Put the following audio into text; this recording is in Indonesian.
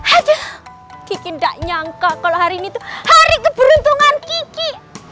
aduh bikin gak nyangka kalau hari ini tuh hari keberuntungan kiki